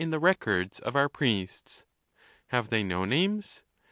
239 iu the records of ouv priests. Have they no names